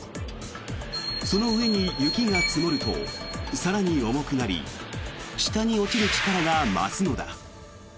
その上に雪が積もると更に重くなり下に落ちる力が増すのだ。